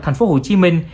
thành phố hồ chí minh